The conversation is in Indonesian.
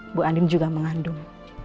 mbak andin juga mengandung